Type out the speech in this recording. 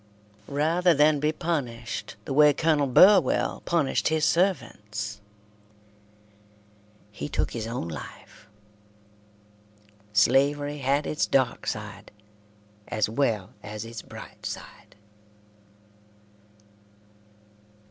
Rather than be punished the way Colonel Burwell punished his servants, he took his own life. Slavery had its dark side as well as its bright side.